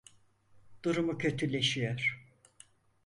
Durumu kötüleşiyor.